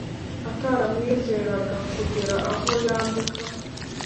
ataramwizeraga kugera aho yandika